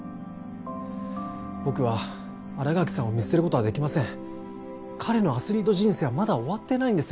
僕は新垣さんを見捨てることはできません彼のアスリート人生はまだ終わってないんです